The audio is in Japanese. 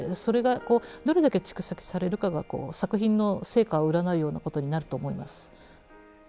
それがどれだけ蓄積されるかが作品の成果を占うようなことになると思います。